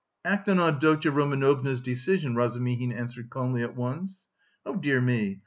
"Act on Avdotya Romanovna's decision," Razumihin answered calmly at once. "Oh, dear me!